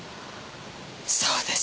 そうです。